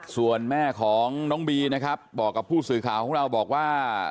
ส่วนแม่ของน้องบีนะครับบอกกับผู้สื่อข่าวของเราบอกว่า